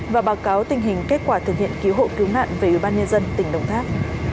và báo cáo tình hình kết quả thực hiện cứu hộ cứu nạn về ubnd tỉnh đồng tháp